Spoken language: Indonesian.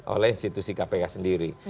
oleh institusi kpk sendiri